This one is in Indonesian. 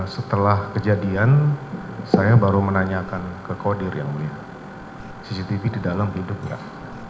setelah kejadian saya baru menanyakan ke kodir cctv di dalam hidup enggak